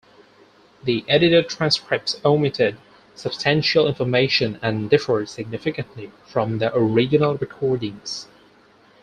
The edited transcripts omitted substantial information and differed significantly from the original recordings.